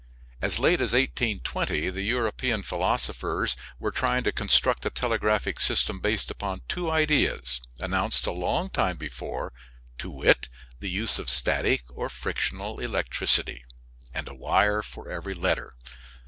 As late as 1820 the European philosophers were trying to construct a telegraphic system based upon two ideas, announced a long time before, to wit, the use of static or frictional electricity, and a wire for every letter.